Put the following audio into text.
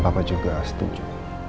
papa juga setuju